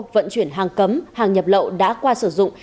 vận chuyển hàng cấm hàng nhập lậu đã qua sử dụng